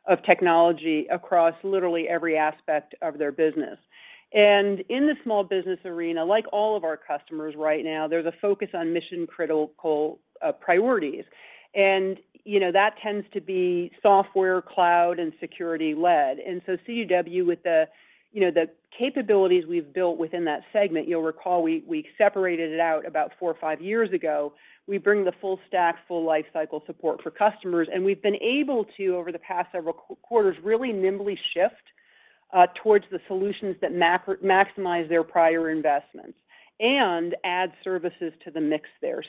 of technology across literally every aspect of their business. In the small business arena, like all of our customers right now, there's a focus on mission-critical priorities. You know, that tends to be software, cloud, and security-led. CDW with the, you know, the capabilities we've built within that segment, you'll recall, we separated it out about four or five years ago. We bring the full stack, full life cycle support for customers, and we've been able to, over the past several quarters, really nimbly shift towards the solutions that maximize their prior investments and add services to the mix there.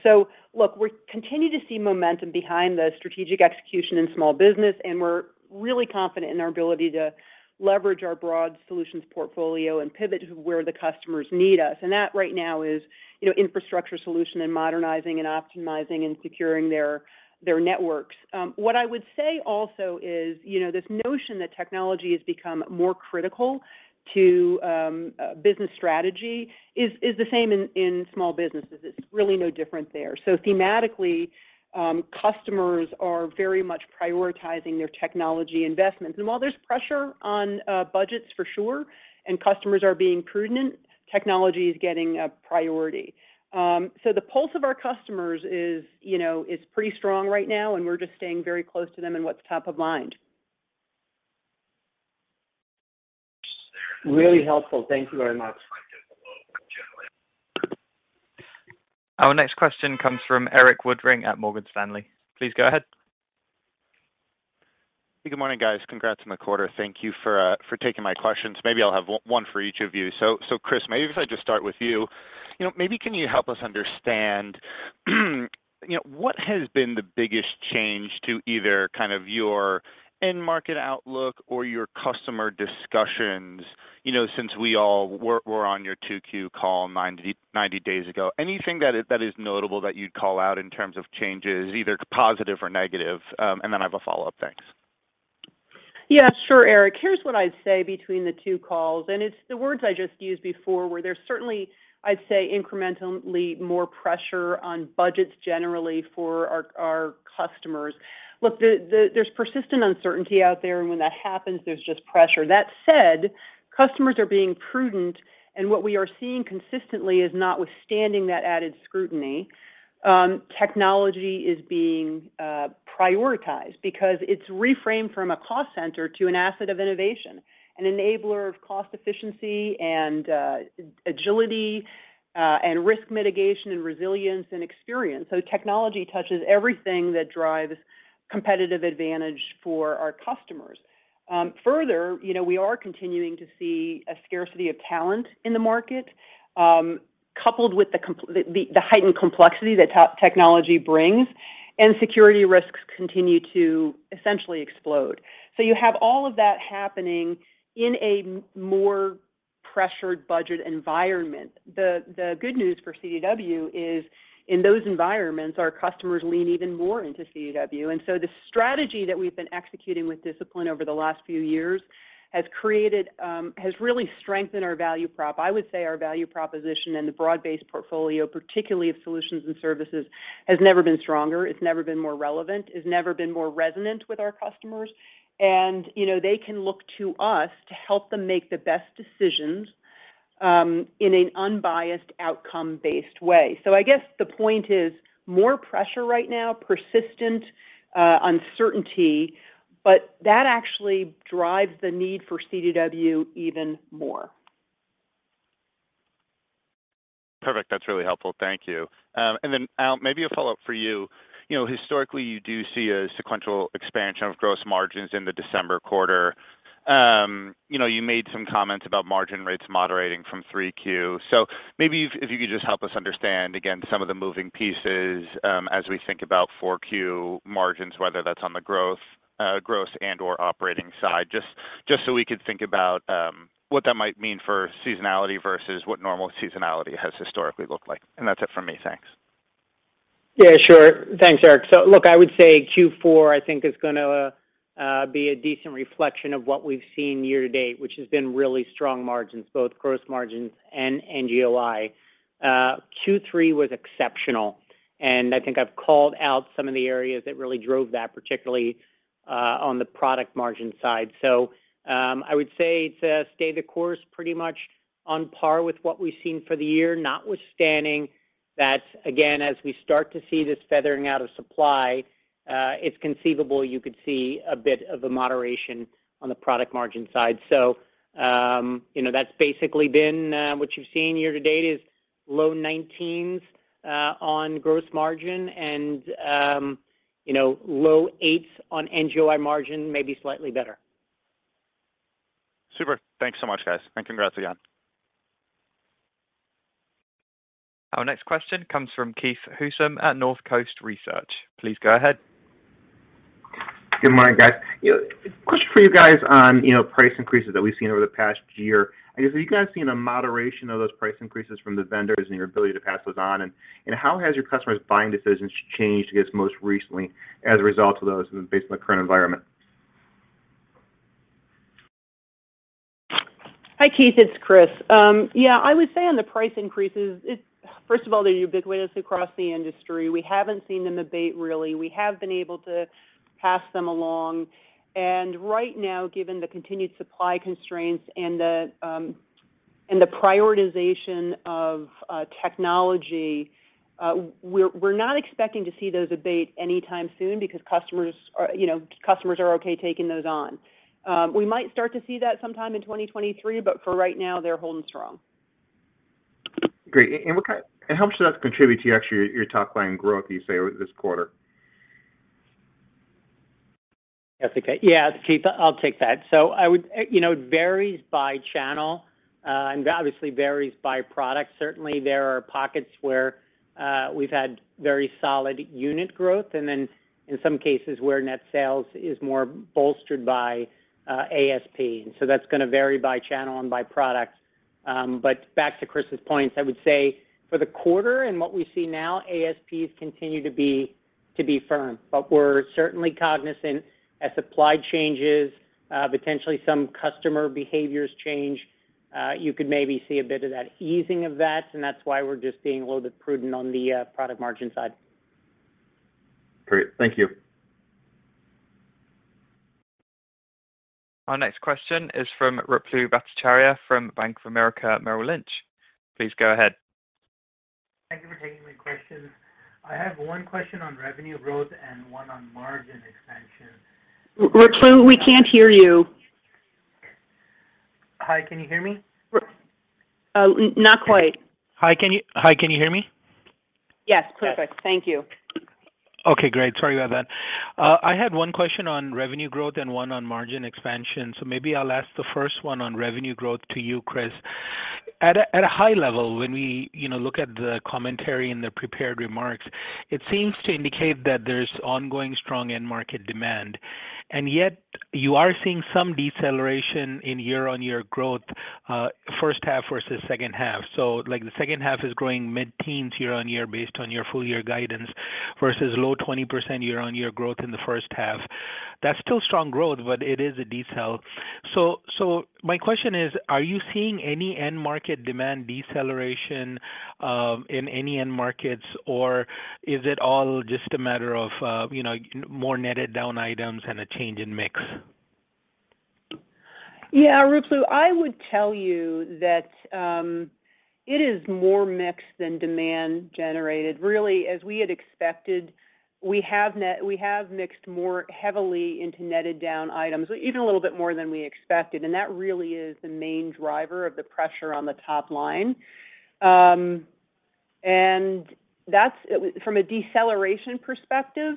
Look, we're continuing to see momentum behind the strategic execution in small business, and we're really confident in our ability to leverage our broad solutions portfolio and pivot to where the customers need us. That right now is, you know, infrastructure solution and modernizing and optimizing and securing their networks. What I would say also is, you know, this notion that technology has become more critical to business strategy is the same in small businesses. It's really no different there. Thematically, customers are very much prioritizing their technology investments. While there's pressure on budgets for sure, and customers are being prudent, technology is getting a priority. The pulse of our customers is, you know, pretty strong right now, and we're just staying very close to them and what's top of mind. Really helpful. Thank you very much. Our next question comes from Erik Woodring at Morgan Stanley. Please go ahead. Good morning, guys. Congrats on the quarter. Thank you for taking my questions. Maybe I'll have one for each of you. Chris, maybe if I just start with you. You know, maybe can you help us understand, you know, what has been the biggest change to either kind of your end market outlook or your customer discussions, you know, since we were on your 2Q call 90 days ago? Anything that is notable that you'd call out in terms of changes, either positive or negative? Then I have a follow-up. Thanks. Yeah, sure, Erik. Here's what I'd say between the two calls, and it's the words I just used before, where there's certainly, I'd say, incrementally more pressure on budgets generally for our customers. Look, there's persistent uncertainty out there, and when that happens, there's just pressure. That said, customers are being prudent, and what we are seeing consistently is notwithstanding that added scrutiny, technology is being prioritized because it's reframed from a cost center to an asset of innovation, an enabler of cost efficiency and agility, and risk mitigation, and resilience, and experience. So technology touches everything that drives competitive advantage for our customers. Further, you know, we are continuing to see a scarcity of talent in the market, coupled with the heightened complexity that technology brings, and security risks continue to essentially explode. You have all of that happening in a more pressured budget environment. The good news for CDW is in those environments, our customers lean even more into CDW. The strategy that we've been executing with discipline over the last few years has created, has really strengthened our value prop. I would say our value proposition and the broad-based portfolio, particularly of solutions and services, has never been stronger. It's never been more relevant. It's never been more resonant with our customers. You know, they can look to us to help them make the best decisions, in an unbiased outcome-based way. I guess the point is more pressure right now, persistent uncertainty, but that actually drives the need for CDW even more. Perfect. That's really helpful. Thank you. Al, maybe a follow-up for you. You know, historically, you do see a sequential expansion of gross margins in the December quarter. You know, you made some comments about margin rates moderating from 3Q. Maybe if you could just help us understand, again, some of the moving pieces, as we think about 4Q margins, whether that's on the growth and/or operating side, just so we could think about what that might mean for seasonality versus what normal seasonality has historically looked like. That's it for me. Thanks. Yeah, sure. Thanks, Erik. Look, I would say Q4 I think is gonna be a decent reflection of what we've seen year to date, which has been really strong margins, both gross margins and NGOI. Q3 was exceptional, and I think I've called out some of the areas that really drove that, particularly on the product margin side. I would say to stay the course pretty much on par with what we've seen for the year, notwithstanding that again, as we start to see this feathering out of supply, it's conceivable you could see a bit of a moderation on the product margin side. You know, that's basically been what you've seen year to date is low 19s% on gross margin and you know, low 8s% on NGOI margin, maybe slightly better. Super. Thanks so much, guys, and congrats again. Our next question comes from Keith Housum at Northcoast Research. Please go ahead. Good morning, guys. You know, question for you guys on, you know, price increases that we've seen over the past year. I guess, have you guys seen a moderation of those price increases from the vendors and your ability to pass those on? How has your customers' buying decisions changed I guess most recently as a result of those and based on the current environment? Hi, Keith. It's Chris. I would say on the price increases, it's first of all, they're ubiquitous across the industry. We haven't seen them abate really. We have been able to pass them along, and right now, given the continued supply constraints and the prioritization of technology, we're not expecting to see those abate anytime soon because customers are, you know, customers are okay taking those on. We might start to see that sometime in 2023, but for right now, they're holding strong. Great. How much does that contribute to actually your top-line growth, you say, this quarter? That's okay. Yeah, Keith, I'll take that. I would. You know, it varies by channel, and obviously varies by product. Certainly there are pockets where, we've had very solid unit growth, and then in some cases where net sales is more bolstered by, ASP. That's gonna vary by channel and by product. Back to Chris's points, I would say for the quarter and what we see now, ASPs continue to be firm. We're certainly cognizant as supply changes, potentially some customer behaviors change, you could maybe see a bit of that easing of that, and that's why we're just being a little bit prudent on the, product margin side. Great. Thank you. Our next question is from Ruplu Bhattacharya from Bank of America Merrill Lynch. Please go ahead. Thank you for taking my questions. I have one question on revenue growth and one on margin expansion. Ruplu, we can't hear you. Hi, can you hear me? Oh, not quite. Hi, can you hear me? Yes. Perfect. Thank you. Okay, great. Sorry about that. I had one question on revenue growth and one on margin expansion, so maybe I'll ask the first one on revenue growth to you, Chris. At a high level, when we, you know, look at the commentary and the prepared remarks, it seems to indicate that there's ongoing strong end market demand, and yet you are seeing some deceleration in year-on-year growth, first half versus second half. Like, the second half is growing mid-teens% year-on-year based on your full year guidance versus low 20% year-on-year growth in the first half. That's still strong growth, but it is a detail. My question is: are you seeing any end market demand deceleration in any end markets, or is it all just a matter of, you know, more netted-down items and a change in mix? Yeah, Ruplu, I would tell you that it is more mix than demand generated. Really, as we had expected, we have mixed more heavily into netted-down items, even a little bit more than we expected, and that really is the main driver of the pressure on the top-line. From a deceleration perspective,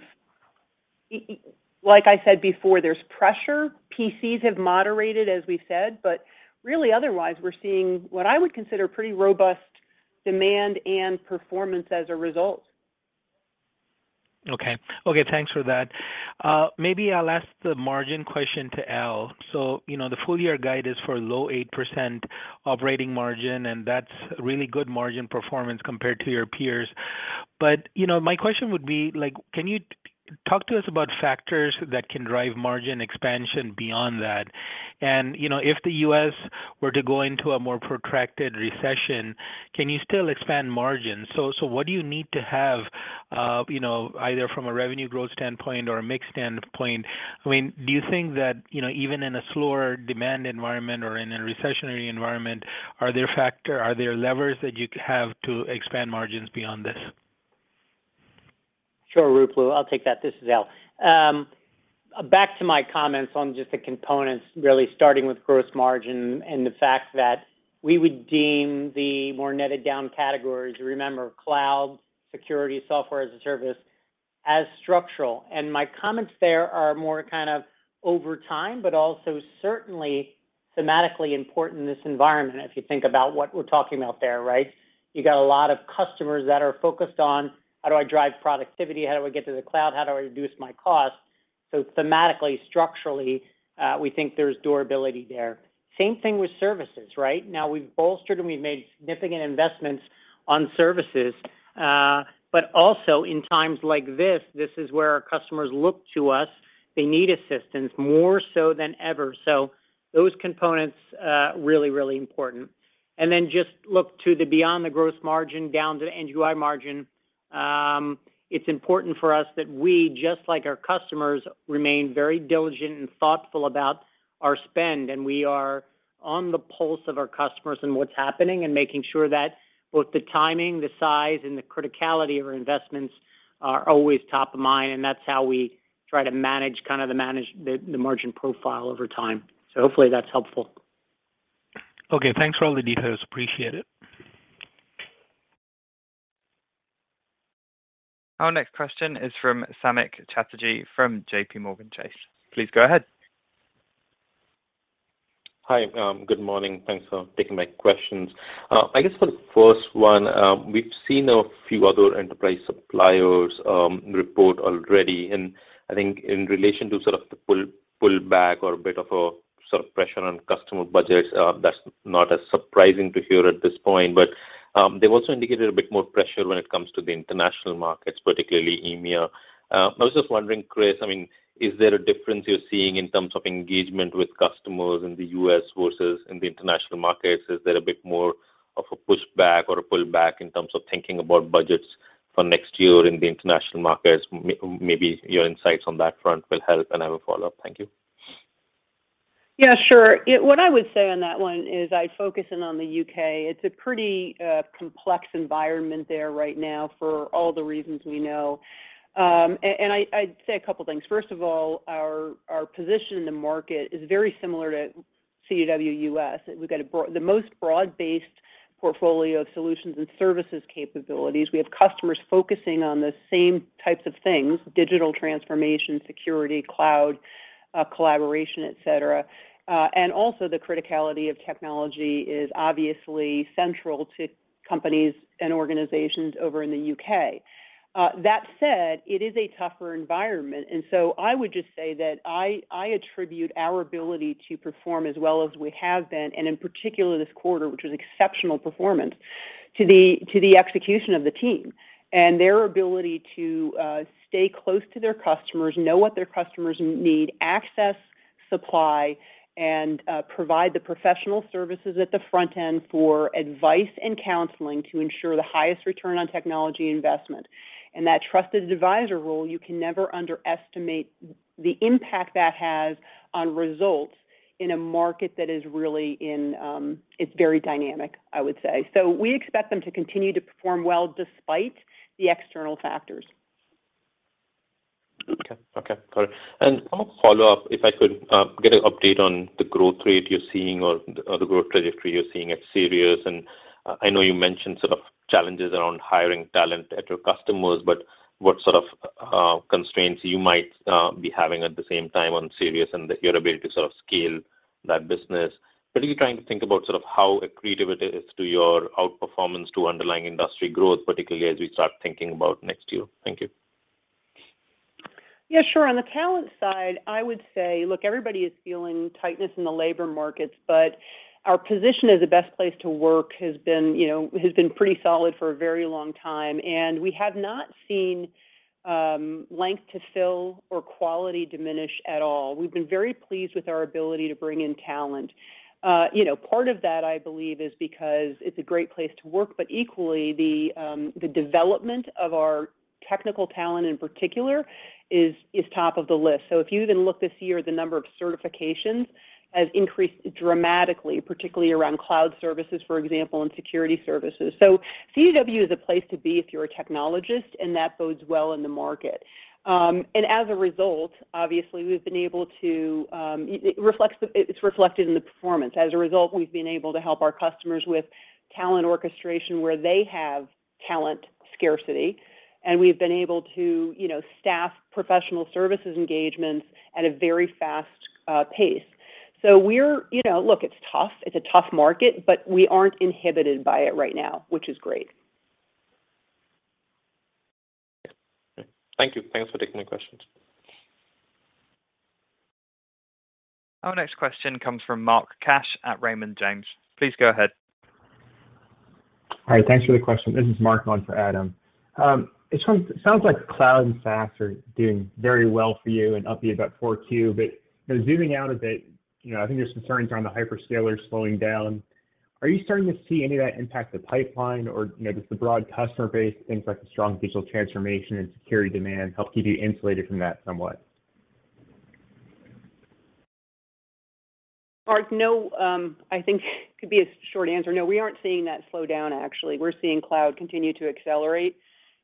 like I said before, there's pressure. PCs have moderated, as we said, but really otherwise, we're seeing what I would consider pretty robust demand and performance as a result. Okay. Okay, thanks for that. Maybe I'll ask the margin question to Al. You know, the full year guide is for low 8% operating margin, and that's really good margin performance compared to your peers. You know, my question would be, like, can you talk to us about factors that can drive margin expansion beyond that? You know, if the U.S. were to go into a more protracted recession, can you still expand margins? What do you need to have, you know, either from a revenue growth standpoint or a mix standpoint? I mean, do you think that, you know, even in a slower demand environment or in a recessionary environment, are there levers that you have to expand margins beyond this? Sure, Ruplu. I'll take that. This is Al. Back to my comments on just the components, really starting with gross margin and the fact that we would deem the more netted-down categories, remember, cloud, security, software as a service, as structural. My comments there are more kind of over time, but also certainly thematically important in this environment, if you think about what we're talking about there, right? You got a lot of customers that are focused on how do I drive productivity, how do I get to the cloud, how do I reduce my cost? Thematically, structurally, we think there's durability there. Same thing with services, right? Now, we've bolstered and we've made significant investments on services. Also in times like this is where our customers look to us. They need assistance more so than ever. Those components really important. Then just look beyond the gross margin down to the NGOI margin. It's important for us that we, just like our customers, remain very diligent and thoughtful about our spend, and we are on the pulse of our customers and what's happening and making sure that both the timing, the size, and the criticality of our investments are always top of mind, and that's how we try to manage kind of the margin profile over time. Hopefully that's helpful. Okay. Thanks for all the details. Appreciate it. Our next question is from Samik Chatterjee from JPMorgan Chase. Please go ahead. Hi. Good morning. Thanks for taking my questions. I guess for the first one, we've seen a few other enterprise suppliers report already, and I think in relation to sort of the pull back or a bit of a sort of pressure on customer budgets, that's not as surprising to hear at this point. They've also indicated a bit more pressure when it comes to the international markets, particularly EMEA. I was just wondering, Chris, I mean, is there a difference you're seeing in terms of engagement with customers in the U.S. versus in the international markets? Is there a bit more of a pushback or a pullback in terms of thinking about budgets for next year in the international markets? Maybe your insights on that front will help, and I have a follow-up. Thank you. Yeah, sure. What I would say on that one is I'd focus in on the U.K. It's a pretty complex environment there right now for all the reasons we know. I'd say a couple things. First of all, our position in the market is very similar to CDW U.S. We've got the most broad-based portfolio of solutions and services capabilities. We have customers focusing on the same types of things, digital transformation, security, cloud, collaboration, et cetera. Also the criticality of technology is obviously central to companies and organizations over in the U.K. That said, it is a tougher environment. I would just say that I attribute our ability to perform as well as we have been, and in particular this quarter, which was exceptional performance, to the execution of the team and their ability to stay close to their customers, know what their customers need, access supply, and provide the professional services at the front end for advice and counseling to ensure the highest return on technology investment. That trusted advisor role, you can never underestimate the impact that has on results. In a market that is really in, it's very dynamic, I would say. We expect them to continue to perform well despite the external factors. Okay. Okay, got it. One follow-up, if I could, get an update on the growth rate you're seeing or the growth trajectory you're seeing at Sirius. I know you mentioned sort of challenges around hiring talent at your customers, but what sort of constraints you might be having at the same time on Sirius and your ability to sort of scale that business. Particularly trying to think about sort of how accretive it is to your outperformance to underlying industry growth, particularly as we start thinking about next year. Thank you. Yeah, sure. On the talent side, I would say, look, everybody is feeling tightness in the labor markets, but our position as a best place to work has been pretty solid for a very long time. We have not seen length to fill or quality diminish at all. We've been very pleased with our ability to bring in talent. You know, part of that, I believe, is because it's a great place to work, but equally the development of our technical talent in particular is top of the list. If you even look this year, the number of certifications has increased dramatically, particularly around cloud services, for example, and security services. CDW is a place to be if you're a technologist, and that bodes well in the market. As a result, obviously, we've been able to. It's reflected in the performance. As a result, we've been able to help our customers with talent orchestration, where they have talent scarcity, and we've been able to, you know, staff professional services engagements at a very fast pace. You know, look, it's tough. It's a tough market, but we aren't inhibited by it right now, which is great. Thank you. Thanks for taking the questions. Our next question comes from Mark Cash at Raymond James. Please go ahead. Hi. Thanks for the question. This is Mark on for Adam. It sounds like cloud and SaaS are doing very well for you and up to you about 4Q. You know, zooming out a bit, you know, I think there's concerns around the hyperscalers slowing down. Are you starting to see any of that impact the pipeline? Or, you know, does the broad customer base, things like the strong digital transformation and security demand help keep you insulated from that somewhat? Mark, no, I think could be a short answer. No, we aren't seeing that slow down, actually. We're seeing cloud continue to accelerate.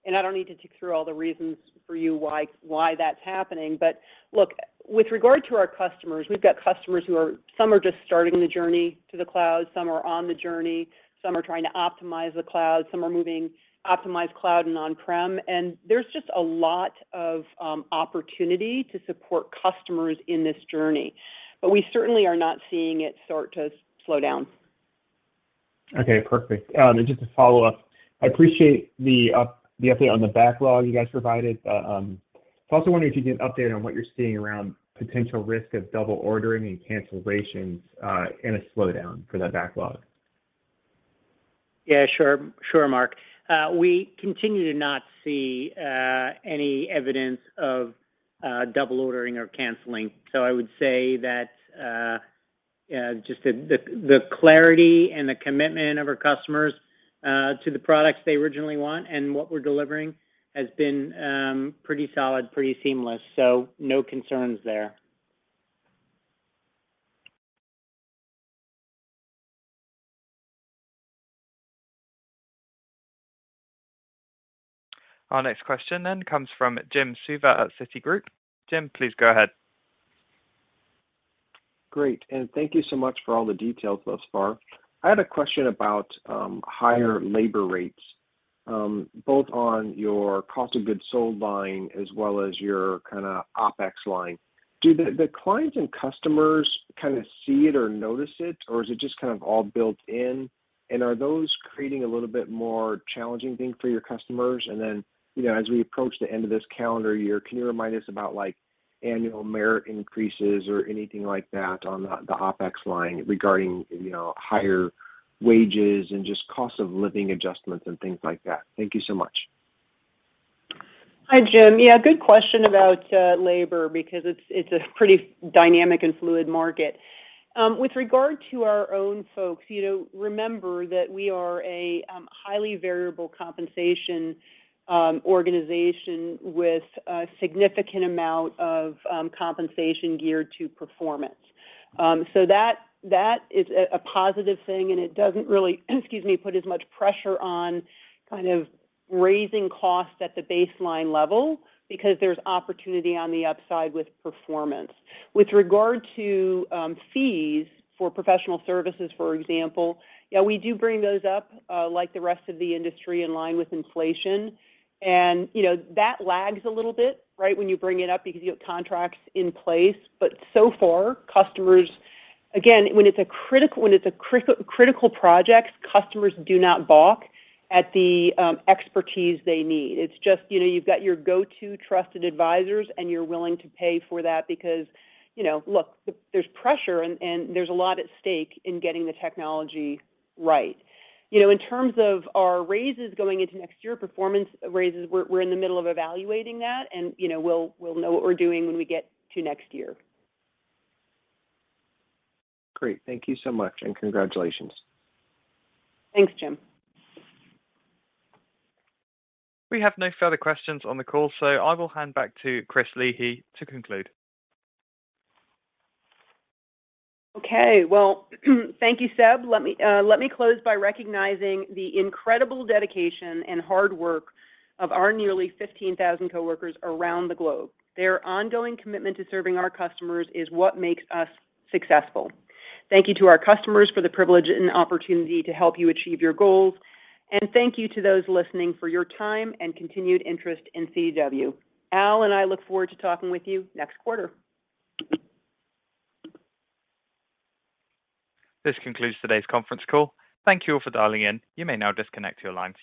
I don't need to tick through all the reasons for you why that's happening. Look, with regard to our customers, we've got customers who are some are just starting the journey to the cloud, some are on the journey, some are trying to optimize the cloud, some are moving optimized cloud and non-prem, and there's just a lot of opportunity to support customers in this journey. We certainly are not seeing it start to slow down. Okay, perfect. Just to follow up, I appreciate the update on the backlog you guys provided. I'm also wondering if you could give an update on what you're seeing around potential risk of double ordering and cancellations in a slowdown for that backlog. Yeah, sure. Sure, Mark. We continue to not see any evidence of double ordering or canceling. I would say that just the clarity and the commitment of our customers to the products they originally want and what we're delivering has been pretty solid, pretty seamless, so no concerns there. Our next question then comes from Jim Suva at Citigroup. Jim, please go ahead. Great, thank you so much for all the details thus far. I had a question about higher labor rates, both on your cost of goods sold line as well as your kinda OpEx line. Do the clients and customers kinda see it or notice it, or is it just kind of all built in? Are those creating a little bit more challenging thing for your customers? You know, as we approach the end of this calendar year, can you remind us about, like, annual merit increases or anything like that on the OpEx line regarding higher wages and just cost of living adjustments and things like that? Thank you so much. Hi, Jim. Yeah, good question about labor because it's a pretty dynamic and fluid market. With regard to our own folks, you know, remember that we are a highly variable compensation organization with a significant amount of compensation geared to performance. So that is a positive thing, and it doesn't really put as much pressure on kind of raising costs at the baseline level because there's opportunity on the upside with performance. With regard to fees for professional services, for example, yeah, we do bring those up like the rest of the industry in line with inflation. You know, that lags a little bit, right, when you bring it up because you have contracts in place. So far, customers. Again, when it's a critical project, customers do not balk at the expertise they need. It's just, you know, you've got your go-to trusted advisors, and you're willing to pay for that because, you know, look, there's pressure and there's a lot at stake in getting the technology right. You know, in terms of our raises going into next year, performance raises, we're in the middle of evaluating that, and, you know, we'll know what we're doing when we get to next year. Great. Thank you so much, and congratulations. Thanks, Jim. We have no further questions on the call, so I will hand back to Chris Leahy to conclude. Okay. Well, thank you, Seb. Let me close by recognizing the incredible dedication and hard work of our nearly 15,000 coworkers around the globe. Their ongoing commitment to serving our customers is what makes us successful. Thank you to our customers for the privilege and opportunity to help you achieve your goals. Thank you to those listening for your time and continued interest in CDW. Al and I look forward to talking with you next quarter. This concludes today's Conference Call. Thank you all for dialing in. You may now disconnect your lines.